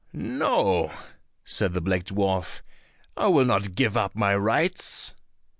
"No," said the black dwarf, "I will not give up my rights."